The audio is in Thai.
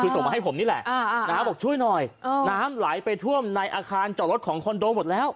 ต่อมาให้ผมนี่แหละอ่าอ่าอ่าบอกช่วยหน่อยเออน้ำไหลไปท่วมในอาคารจอดรถของคอนโดหมดแล้ว